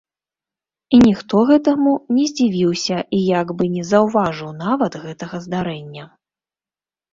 І ніхто гэтаму не здзівіўся і як бы не заўважыў нават гэтага здарэння.